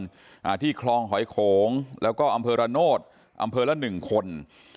อ่าที่คลองหอยโขงแล้วก็อำเภอระโนธอำเภอละหนึ่งคน